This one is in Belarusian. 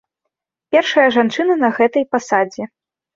Першая жанчына на гэтай пасадзе.